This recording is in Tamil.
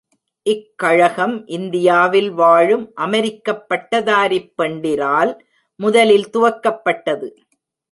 இக்கழகம் இந்தியாவில் வாழும் அமெரிக்கப் பட்டதாரிப் பெண்டிரால் முதலில் துவக்கப்பட்டது.